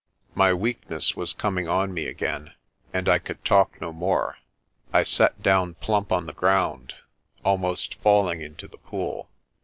My weakness was coming on me again and I could talk no more. I sat down plump on the ground, almost falling into the pool.